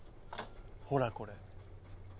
ほらこれ。